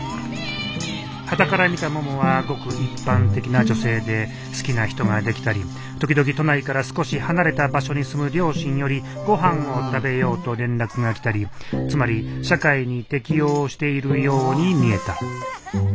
端から見たももはごく一般的な女性で好きな人ができたり時々都内から少し離れた場所に住む両親よりごはんを食べようと連絡が来たりつまり社会に適応しているように見えた。